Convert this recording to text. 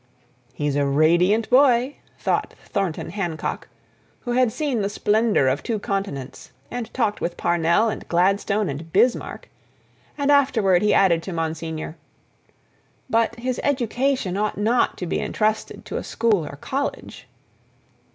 "He's a radiant boy," thought Thornton Hancock, who had seen the splendor of two continents and talked with Parnell and Gladstone and Bismarck—and afterward he added to Monsignor: "But his education ought not to be intrusted to a school or college."